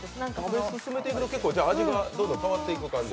食べ進めていくと味が変わっていく感じ？